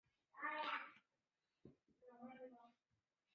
老城雅法门以西的西耶路撒冷则以巴勒斯坦人为主。